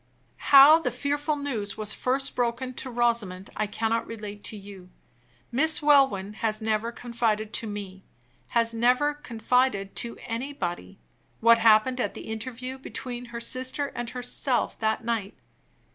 How the fearful news was first broken to Rosamond, I cannot relate to you. Miss Welwyn has never confided to me, has never confided to anybody, what happened at the interview between her sister and herself that night.